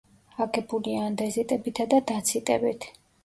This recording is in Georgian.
აგებულია ანდეზიტებითა და დაციტებით.